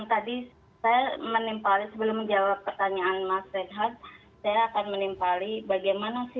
sebenarnya yang tadi